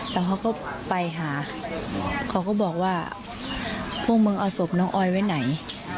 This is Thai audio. แล้วเขาก็ไปหาเขาก็บอกว่าพวกมึงเอาศพน้องออยไว้ไหน